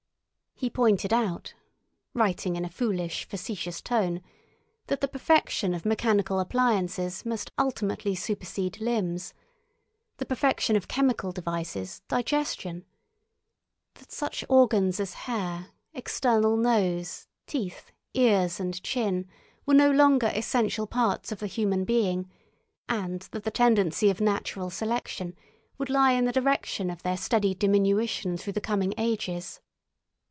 He pointed out—writing in a foolish, facetious tone—that the perfection of mechanical appliances must ultimately supersede limbs; the perfection of chemical devices, digestion; that such organs as hair, external nose, teeth, ears, and chin were no longer essential parts of the human being, and that the tendency of natural selection would lie in the direction of their steady diminution through the coming ages.